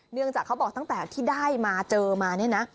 เนื่องจากเขาบอกตั้งแต่ที่ได้มาเจอมาเนี่ยนะ